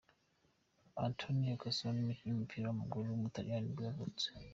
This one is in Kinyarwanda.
Antonio Cassano, umukinnyi w’umupira w’amaguru w’umutaliyani nibwo yavutse.